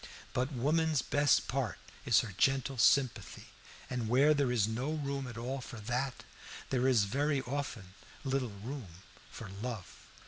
But woman's best part is her gentle sympathy, and where there is no room at all for that, there is very often little room for love.